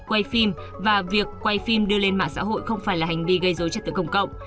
quay phim và việc quay phim đưa lên mạng xã hội không phải là hành vi gây dối trật tự công cộng